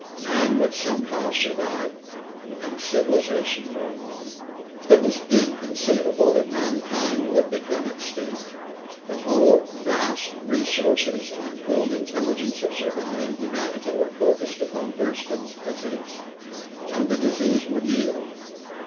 Man would somehow survive, and civilization go on. It was inconceivable that mankind would become extinct. The whole vast resources and pooled intelligence of surviving humanity were focused upon Thurston's Disease. And the disease would yield.